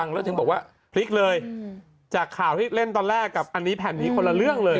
แล้วถึงบอกว่าพลิกเลยจากข่าวที่เล่นตอนแรกกับอันนี้แผ่นนี้คนละเรื่องเลย